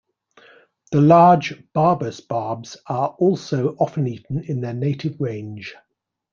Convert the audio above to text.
The large "Barbus" barbs are also often eaten in their native range.